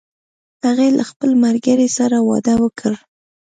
هغې له خپل ملګری سره واده وکړ